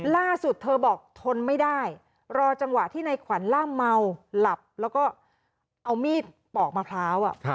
ล่าสุดเธอบอกทนไม่ได้รอจังหวะที่ในขวัญล่ามเมาหลับแล้วก็เอามีดปอกมะพร้าว